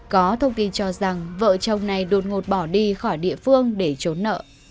có thông tin cho rằng vợ chồng này đột ngột bỏ đi khỏi địa phương để trốn nợ